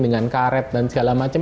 dengan karet dan segala macam